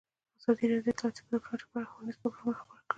ازادي راډیو د اطلاعاتی تکنالوژي په اړه ښوونیز پروګرامونه خپاره کړي.